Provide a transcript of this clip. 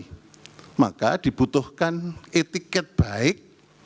jadi maka dibutuhkan etiket baik